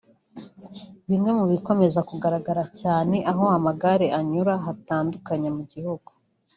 Bimwe mu bikomeza kugaragara cyane aho amagare anyura hatandukanye mu gihugu